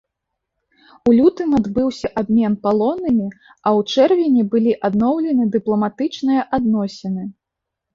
У лютым адбыўся абмен палоннымі, а ў чэрвені былі адноўлены дыпламатычныя адносіны.